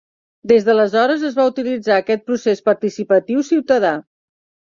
Des d'aleshores es va utilitzar aquest procés participatiu ciutadà.